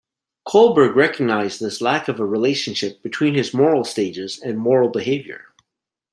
Kohlberg recognized this lack of a relationship between his moral stages and moral behavior.